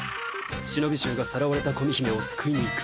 忍衆がさらわれた古見姫を救いに行く。